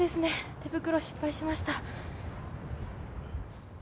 手袋、失敗しました。